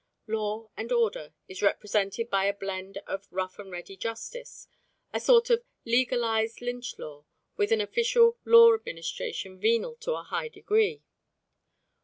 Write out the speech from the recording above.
Law and order is represented by a blend of a rough and ready justice, a sort of legalised lynch law, with an official law administration venal to a high degree.